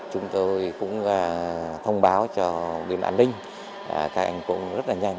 chúng tôi cũng thông báo cho bên an ninh các anh cũng rất là nhanh